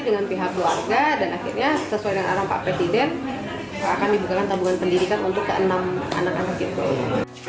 dengan pihak keluarga dan akhirnya sesuai dengan arah pak presiden akan dibukakan tabungan pendidikan untuk ke enam anak anak itu